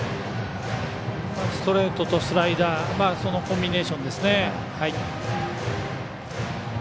ストレートとスライダーのそのコンビネーションですね。